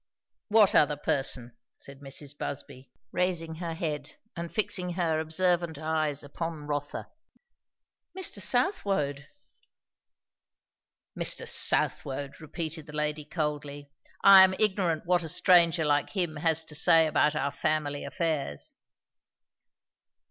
"What other person?" said Mrs. Busby raising her head and fixing her observant eyes upon Rotha. "Mr. Southwode." "Mr. Southwode!" repeated the lady coldly. "I am ignorant what a stranger like him has to say about our family affairs."